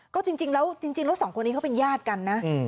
ก็จริงแล้ว๒คนนี้เขาเป็นญาติกันนะ